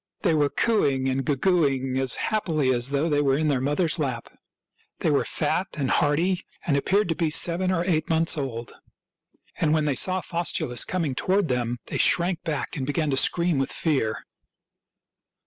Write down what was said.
They were cooing and goo gooing as happily as though they were in their mother's lap. They were fat and hearty and appeared to be seven or eight months old; and when they saw Faustulus com ing toward them they shrank back and began to scream with fear.